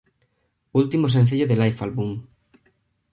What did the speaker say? Último sencillo de Life Album.